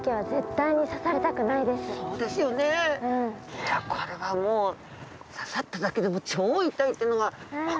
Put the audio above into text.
いやこれはもう刺さっただけでも超痛いっていうのが分かりますね。